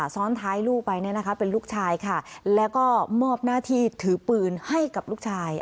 ซ้อนท้ายลูกไปเป็นลูกชายค่ะแล้วก็มอบหน้าที่ถือปืนให้กับลูกชาย